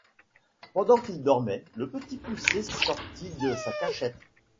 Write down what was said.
Pendant qu’il dormait, le Petit Poucet sortit de sa cachette.